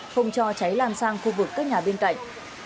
không cho cháy lan sang khu vực các nhà bên cạnh